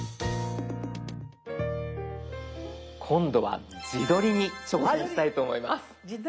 今度は「自撮り」に挑戦したいと思います。